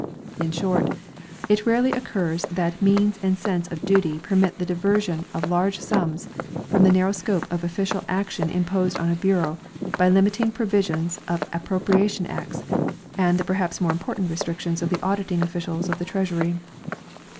In short, it rarely occurs that means and sense of duty permit the diversion of large sums from the narrow scope of official action imposed on a bureau by the limiting provisions of appro priation acts and the perhaps more important restrictions of the auditing officials of the treasury.